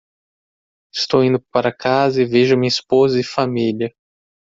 Estou indo para casa e vejo minha esposa e família.